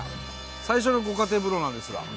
最初のご家庭風呂なんですが。